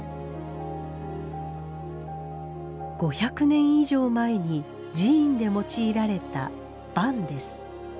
５００年以上前に寺院で用いられた「幡」です。